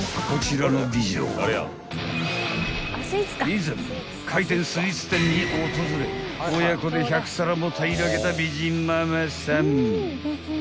［以前回転スイーツ店に訪れ親子で１００皿も平らげた美人ママさん］